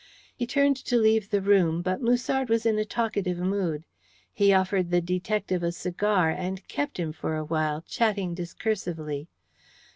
He turned to leave the room, but Musard was in a talkative mood. He offered the detective a cigar, and kept him for a while, chatting discursively.